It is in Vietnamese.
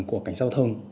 của cảnh giao thông